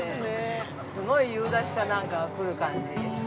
すごい夕立かなんかが降る感じ。